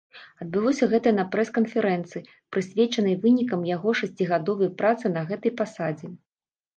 Адбылося гэта на прэс-канферэнцыі, прысвечанай вынікам яго шасцігадовай працы на гэтай пасадзе.